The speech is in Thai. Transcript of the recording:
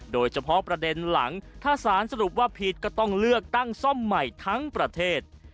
โดยเฉพาะประเด็นหลังถ้าสารสรุปว่าผิดก็ต้องเลือกตั้งซ่อมใหม่ทั้งประเทศ